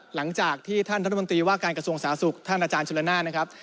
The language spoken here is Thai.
หลังจากที่ท่านรัฐมนตรีว่าการกระทรวงสาธารณสุขท่านอาจารย์ชุลนานนะครับ